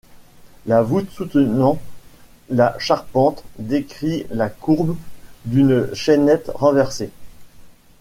La voûte soutenant la charpente, décrit la courbe d'une chaînette renversée.